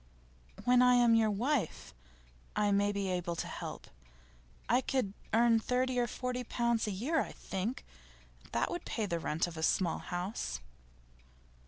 'When I am your wife, I may be able to help. I could earn thirty or forty pounds a year, I think. That would pay the rent of a small house.